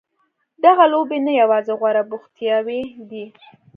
دغه لوبې نه یوازې غوره بوختیاوې دي.